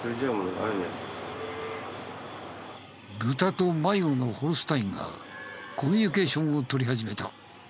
ブタと迷子のホルスタインがコミュニケーションを取り始めた。